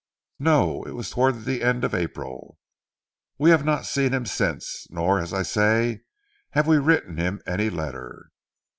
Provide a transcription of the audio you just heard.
"No! It was towards the end of April. We have not seen him since, nor, as I say, have we written him any letter."